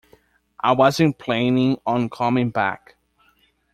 I wasn't planning on coming back.